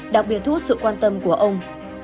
đặc biệt thú sự quan tâm của ông